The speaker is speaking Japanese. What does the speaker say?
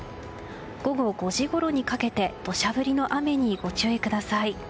午後５時ごろにかけて土砂降りの雨にご注意ください。